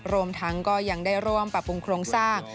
รวมทั้งก็ยังได้ร่วมปรับปรุงโครงสร้าง